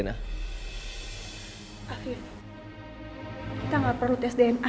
afif kita gak perlu tes dna